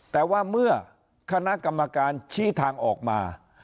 แต่ว่าเมื่อคณะกรรมการชี้ทางออกมา